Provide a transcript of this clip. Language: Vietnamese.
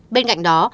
bên cạnh đó